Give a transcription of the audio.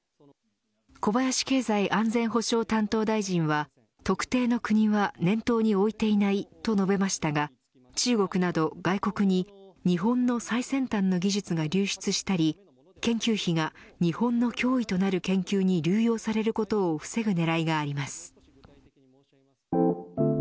小林経済安全保障担当大臣は特定の国は念頭に置いていないと述べましたが中国など外国に日本の最先端の技術が流出したり研究費が日本の脅威となる研究に流用されることを防ぐ狙いがあります。